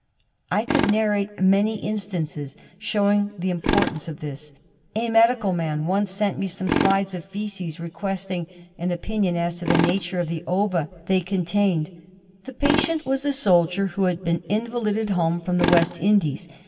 I could narrate many instances showing the importance of this. A medical man once sent me some slides of faeces, requesting an opinion as to the nature of the ova they contained. The patient was a soldier who had been invalided home from the West Indies.